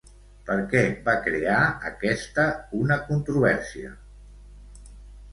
Per què va crear aquesta una controvèrsia?